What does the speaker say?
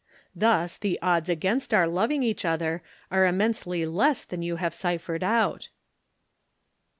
Thus the odds against our loving each other are immensely less than you have ciphered out."